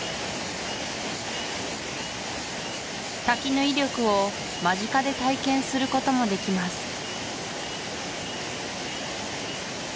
滝の威力を間近で体験することもできます